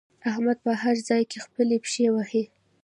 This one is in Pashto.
احمد په هر ځای کې خپلې پښې وهي.